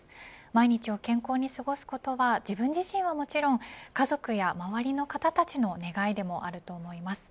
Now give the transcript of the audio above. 毎日を健康に過ごすことは自分自身はもちろん家族や周りの方たちの願いでもあると思います。